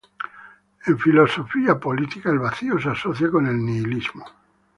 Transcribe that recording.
En filosofía política, el vacío se asocia con el nihilismo.